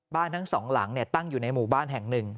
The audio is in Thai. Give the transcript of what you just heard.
ทั้งสองหลังตั้งอยู่ในหมู่บ้านแห่งหนึ่ง